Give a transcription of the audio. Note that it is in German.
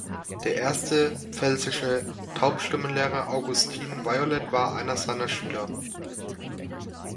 Der erste pfälzische Taubstummenlehrer Augustin Violet war einer seiner Schüler.